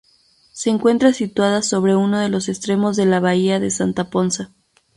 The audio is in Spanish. Se encuentra situada sobre uno de los extremos de la bahía de Santa Ponsa.